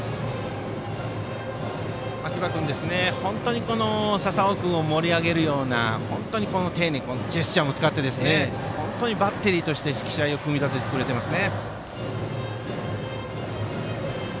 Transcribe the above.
秋葉君は本当に笹尾君を盛り上げるようなジェスチャーも使ってバッテリーとして試合を組み立ててくれています。